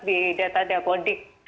di data diapodik